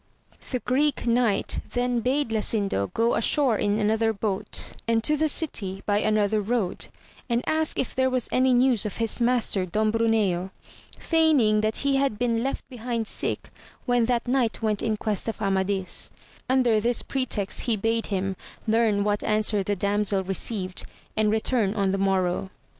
♦The Greek Knight then bade Lasindo go ashore in another boat, and to the city by another road, and ask if there was any news of his master Don Bruneo, feigning that he had been left behind sick when that knight went in quest of Amadis ; under this pretext he bade him learn what answer the damsel received, and return on the morrow.